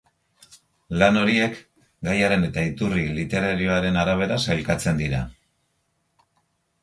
Lan horiek, gaiaren eta iturri literarioaren arabera sailkatzen dira.